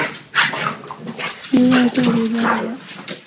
西魏废帝三年。